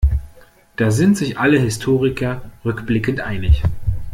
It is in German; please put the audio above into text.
Da sind sich alle Historiker rückblickend einig.